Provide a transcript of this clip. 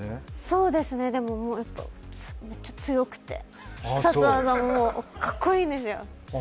そうですね、でも強くて必殺技もかっこいいんですよ。